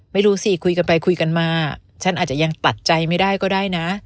ไม่รู้สิคุยกันไปคุยกันมาฉันอาจจะยังตัดใจไม่ได้ก็ได้นะ